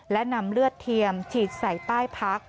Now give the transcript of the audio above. และนำเลือดเทียมฉีดใส่ใต้พัก